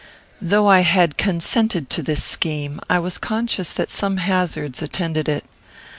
Though I had consented to this scheme, I was conscious that some hazards attended it.